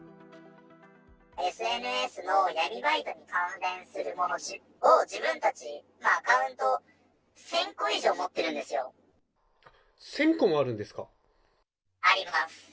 ＳＮＳの闇バイトに関連するもの、自分たちのアカウント、１０００個以上持ってるんですよ。あります。